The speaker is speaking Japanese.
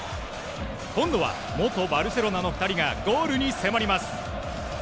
今度は元バルセロナの２人がゴールに迫ります。